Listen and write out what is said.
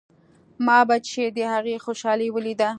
ما به چې د هغې خوشالي وليده.